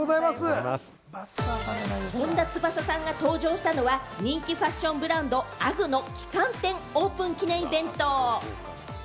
本田翼さんが登場したのは、人気ファッションブランド・ＵＧＧの旗艦店オープン記念イベント。